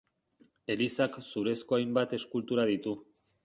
Elizak zurezko hainbat eskultura ditu.